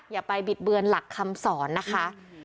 อย่าไปบิดเบือนหลักคำสอนนะคะ